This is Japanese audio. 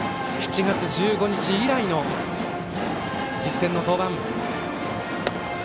７月１５日以来の実戦の登板。